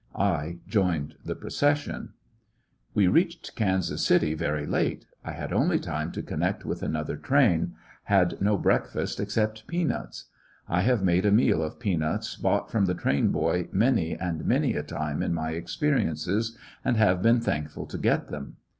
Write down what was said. I joined the procession. We reached Kansas City very late. I had Peanuts for only time to connect with another train ; had ^^ no breakfast except peanuts. I have made a meal of peanuts bought from the train boy many and many a time in my experiences, and have been thankful to get them.